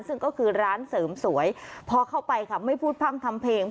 ซึ่งก็คือร้านเสริมสวยพอเข้าไปค่ะไม่พูดพร่ำทำเพลง